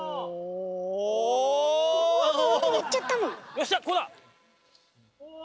よっしゃこうだ！おぉ！